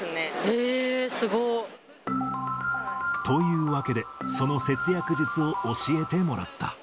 へー、すごっ！というわけで、その節約術を教えてもらった。